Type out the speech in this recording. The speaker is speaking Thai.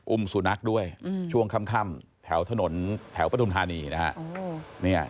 อุ้มสุนัขด้วยช่วงค่ำแถวถนนแถวประธุมธานี